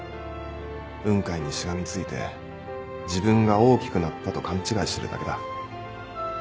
雲海にしがみついて自分が大きくなったと勘違いしてるだけだ。